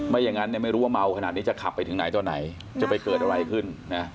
ไม่อย่างนั้นไม่รู้ว่ามาวขนาดนี้จะขับไปตรงไหนไปเกิดอะไรขึ้น